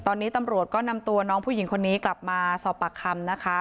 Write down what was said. ตอนนี้ตำรวจก็นำตัวน้องผู้หญิงคนนี้กลับมาสอบปากคำนะคะ